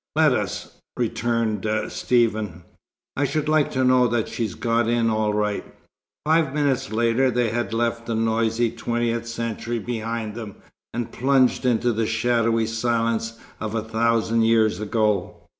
"Let us," returned Stephen. "I should like to know that she's got in all right." Five minutes later they had left the noisy Twentieth Century behind them, and plunged into the shadowy silence of a thousand years ago.